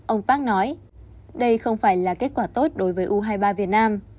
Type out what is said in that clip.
ông park nói đây không phải là kết quả tốt đối với u hai mươi ba việt nam